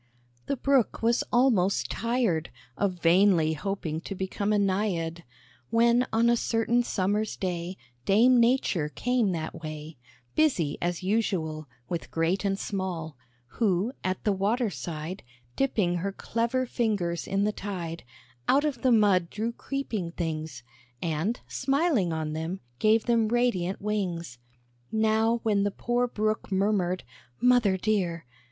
The Brook was almost tired Of vainly hoping to become a Naïad; When on a certain Summer's day, Dame Nature came that way, Busy as usual, With great and small; Who, at the water side Dipping her clever fingers in the tide, Out of the mud drew creeping things, And, smiling on them, gave them radiant wings. Now when the poor Brook murmured, "Mother dear!"